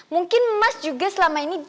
mungkin emas juga selama ini